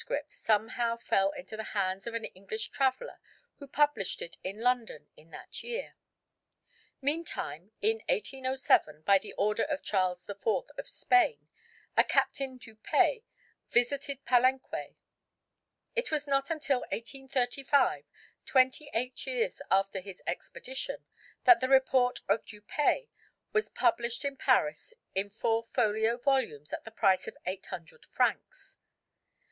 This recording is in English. somehow fell into the hands of an English traveller who published it in London in that year. Meantime in 1807, by the order of Charles IV. of Spain, a Captain Dupaix visited Palenque. It was not until 1835, twenty eight years after his expedition, that the report of Dupaix was published in Paris in four folio volumes at the price of eight hundred francs.